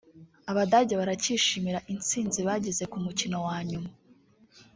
Abadage barakishimira intsinzi bagize ku mukino wa nyuma